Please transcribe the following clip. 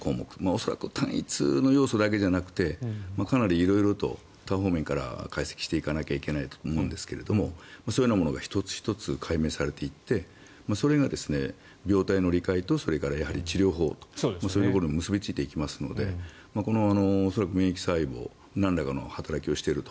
恐らく単一の要素だけじゃなくてかなり色々と多方面から解析していかなきゃいけないと思うんですがそういうものが１つ１つ解明されていってそれが病態の理解と治療法に結びついていきますので免疫細胞がなんらかの働きをしていると。